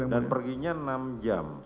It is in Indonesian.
dan perginya enam jam